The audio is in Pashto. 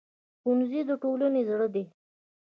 ښوونځی د ټولنې زړه دی